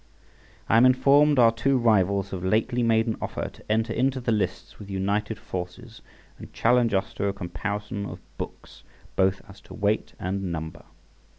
I am informed our two rivals have lately made an offer to enter into the lists with united forces and challenge us to a comparison of books, both as to weight and number.